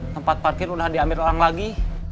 tempat parkir udah diambil orang lagi